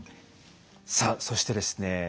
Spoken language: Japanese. さあそしてですね